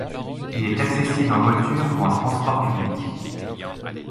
Il est accessible en voiture ou en transports publics.